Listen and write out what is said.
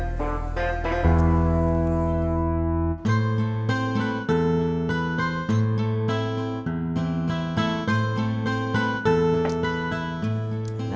satu bubur datanglah